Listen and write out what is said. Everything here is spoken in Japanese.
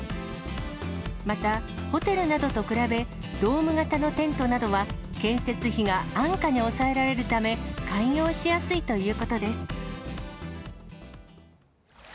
また、ホテルなどと比べ、ドーム型のテントなどは、建設費が安価に抑えられるため、開業しやすいということです。